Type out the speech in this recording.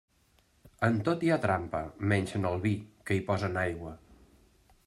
En tot hi ha trampa, menys en el vi, que hi posen aigua.